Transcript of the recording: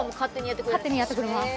勝手にやってくれます